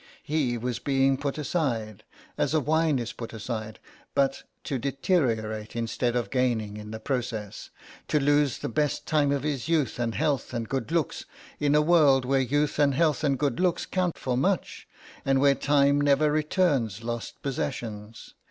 He was being put aside, as a wine is put aside, but to deteriorate instead of gaining in the process, to lose the best time of his youth and health and good looks in a world where youth and health and good looks count for much and where time never returns lost possessions.